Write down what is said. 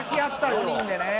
４人でね。